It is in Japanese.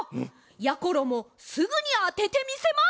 やころもすぐにあててみせます！